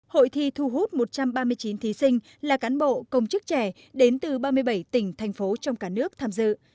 hội thi thu hút một trăm ba mươi chín thí sinh là cán bộ công chức trẻ đến từ ba mươi bảy tỉnh thành phố trong cả nước tham dự